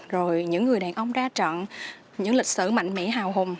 rồi những người đàn ông ra chọn những lịch sử mạnh mẽ hào hùng